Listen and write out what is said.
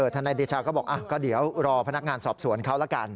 ทนายเดชาก็บอกก็เดี๋ยวรอพนักงานสอบสวนเขาละกัน